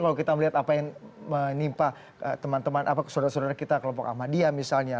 kalau kita melihat apa yang menimpa teman teman saudara saudara kita kelompok ahmadiyah misalnya